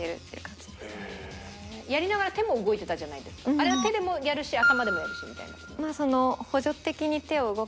あれは手でもやるし頭でもやるしみたいな事？